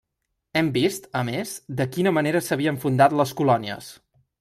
Hem vist, a més, de quina manera s'havien fundat les colònies.